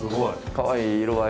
かわいい色合い。